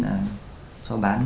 nhanh nhanh nhanh